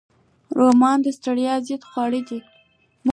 رومیان د ستړیا ضد خواړه دي